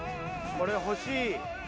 これ欲しい。